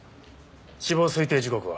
死亡推定時刻は？